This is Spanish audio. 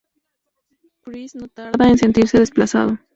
Chris no tarda en sentirse desplazado.